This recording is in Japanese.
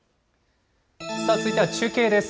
続いては中継です。